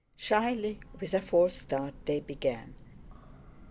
Shyly, with a false start, they began.